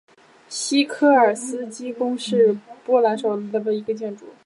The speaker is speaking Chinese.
西科尔斯基宫是波兰首都华沙的一座历史建筑。